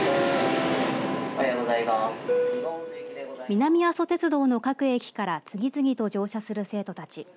南阿蘇鉄道の各駅から次々と乗車する生徒たち。